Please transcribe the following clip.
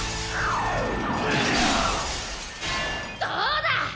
どうだ！